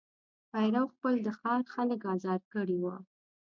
پیرو خپل د ښار خلک آزار کړي وه.